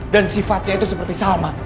dan sifatnya itu seperti salma